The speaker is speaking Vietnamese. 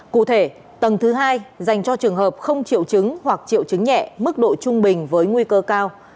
cụ thể tầng thứ hai dành cho trường hợp không triệu chứng hoặc triệu chứng nhẹ mức độ trung bình với nguy cơ cao